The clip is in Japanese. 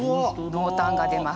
濃淡が出ます。